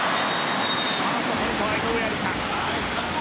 ファーストポイントは井上愛里沙。